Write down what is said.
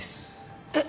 えっ？